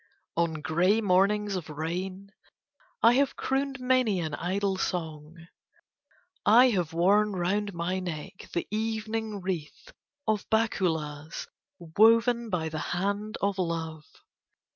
On grey mornings of rain I have crooned many an idle song. I have worn round my neck the evening wreath of bakulas woven by the hand of love.